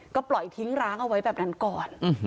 ก็ปล่อยทิ้งร้างเอาไว้แบบนั้นก่อน